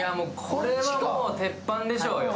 これはもう鉄板でしょうよ。